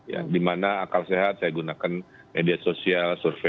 ya dimana akal sehat saya gunakan media sosial survei